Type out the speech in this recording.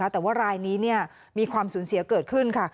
แต่ว่ารายนี้มีความสูญเสียเกิดขึ้นค่ะ